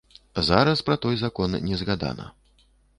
Зараз пра той закон не згадана.